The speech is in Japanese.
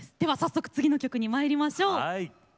早速、次の曲にまいりましょう。